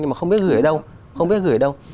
nhưng mà không biết gửi ở đâu không biết gửi đâu